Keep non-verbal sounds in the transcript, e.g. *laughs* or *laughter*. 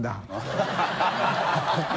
ハハハ *laughs*